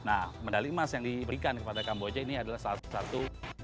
nah medali emas yang diberikan kepada kamboja ini adalah salah satu